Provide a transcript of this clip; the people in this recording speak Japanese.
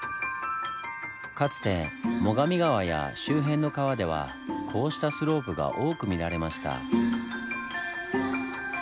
かつて最上川や周辺の川ではこうしたスロープが多く見られました。